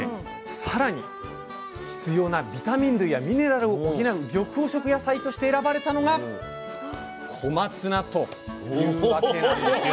更に必要なビタミン類やミネラルを補う緑黄色野菜として選ばれたのが小松菜というわけなんです。